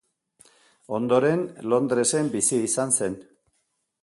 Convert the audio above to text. Ondoren Londresen bizi izan zen.